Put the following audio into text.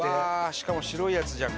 しかも白いやつじゃん